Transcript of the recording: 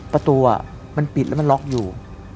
ประตูมันปิดแล้วมันล็อกอยู่